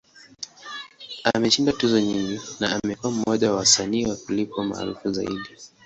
Ameshinda tuzo nyingi, na amekuwa mmoja wa wasanii wa kulipwa maarufu zaidi.